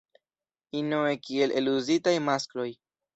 Inoj kiel eluzitaj maskloj.